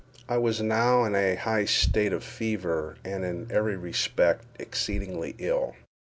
I was now in a high state of fever, and in every respect exceedingly ill.